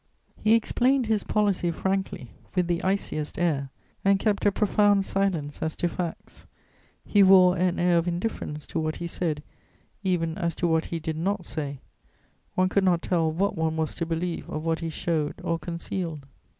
He explained his policy frankly, with the iciest air, and kept a profound silence as to facts. He wore an air of indifference to what he said, even as to what he did not say; one could not tell what one was to believe of what he showed or concealed.